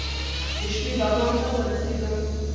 د شپې بغلان ته ورسېدو.